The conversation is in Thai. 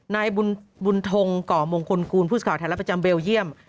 นายบุญฑงกมคุณกูลผู้ข่าวแถลประจำเบลเยี่ยม